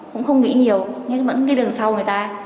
không nghĩ nhiều nghe thấy vẫn đi đường sau người ta